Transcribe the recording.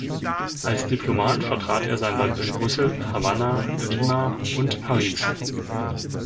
Als Diplomat vertrat er sein Land in Brüssel, Havanna, Lima und Paris.